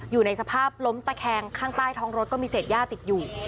อยู่ในสภาพล้มตะแคงข้างใต้ท้องรถก็มีเศษย่าติดอยู่